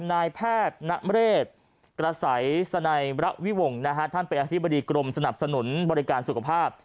นายแพทย์นเรศกระสัยสนัยระวิวงศ์นะฮะท่านเป็นอธิบดีกรมสนับสนุนบริการสุขภาพ